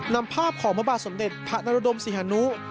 นำภาพของพระบาทสมเด็จพระนรดมศรีฮานุ